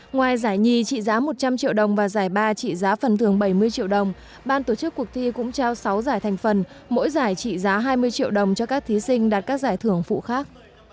ngoài giải nhì trị giá một trăm linh triệu đồng và giải ba trị giá phần thưởng bảy mươi triệu đồng ban tổ chức cuộc thi cũng trao sáu giải thành phần mỗi giải trị giá hai mươi triệu đồng cho các thí sinh đạt các giải thưởng phụ khác